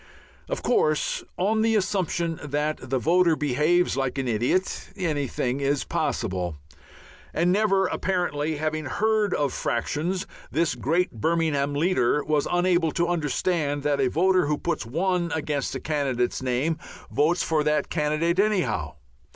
Of course on the assumption that the voter behaves like an idiot, anything is possible. And never apparently having heard of fractions, this great Birmingham leader was unable to understand that a voter who puts 1 against a candidate's name votes for that candidate anyhow.